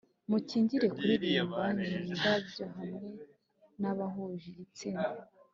mukingire kuririmba nindabyo hamwe nabahuje igitsina